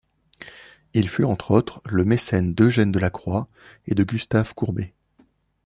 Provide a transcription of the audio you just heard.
Il fut entre autres le mécène d'Eugène Delacroix et de Gustave Courbet.